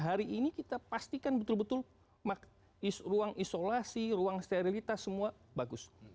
hari ini kita pastikan betul betul ruang isolasi ruang sterilitas semua bagus